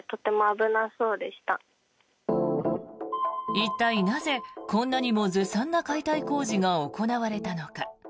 一体、なぜこんなにもずさんな解体工事が行われたのか。